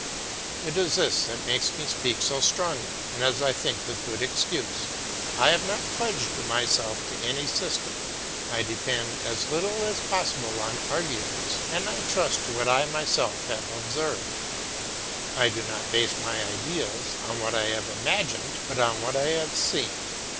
It is this that makes me speak so strongly, and as I think with good excuse: I have not pledged myself to any system, I depend as little as possible on arguments, and I trust to what I myself have observed. I do not base my ideas on what I have imagined, but on what I have seen.